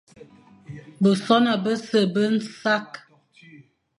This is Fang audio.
Besoña bese be nsakh,